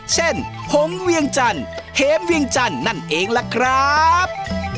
หงเวียงจันทร์เห็มเวียงจันทร์นั่นเองล่ะครับ